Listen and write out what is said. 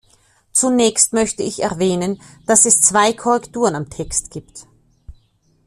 Zunächst möchte ich erwähnen, dass es zwei Korrekturen am Text gibt.